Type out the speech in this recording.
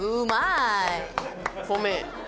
米。